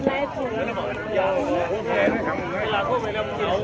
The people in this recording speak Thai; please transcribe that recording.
สวัสดีทุกคน